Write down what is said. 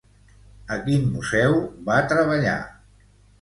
A quin museu va treballar?